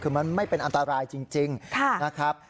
คือมันไม่เป็นอันตรายจริงนะครับ